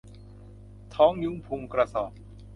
ท้องยุ้งพุงกระสอบ